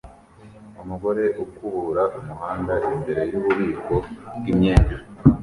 Umugore ukubura umuhanda imbere yububiko bwimyenda